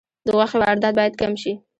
د غوښې واردات باید کم شي